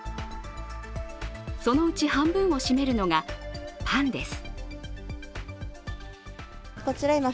そのうち半分を占めるのがパンです。